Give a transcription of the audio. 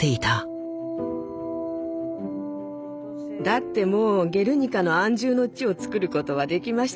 だってもう「ゲルニカ」の安住の地をつくることはできましたから。